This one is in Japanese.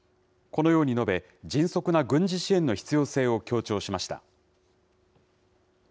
このように述べ、迅速な軍事支援の必要性を強調しました。